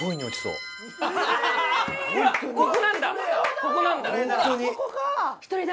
ここなんだ。